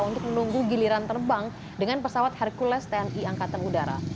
untuk menunggu giliran terbang dengan pesawat hercules tni angkatan udara